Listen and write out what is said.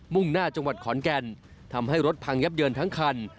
่งหน้าจังหวัดขอนแก่นทำให้รถพังยับเยินทั้งคัน